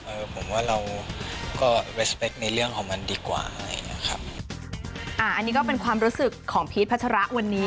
ผมว่าเราก็เวสเปคในเรื่องของมันดีกว่าอะไรอย่างเงี้ยครับอ่าอันนี้ก็เป็นความรู้สึกของพีชพัชระวันนี้